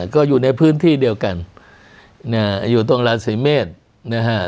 ก็อยู่ในพื้นที่เดียวกันนะฮะอยู่ตรงราศีเมษนะฮะ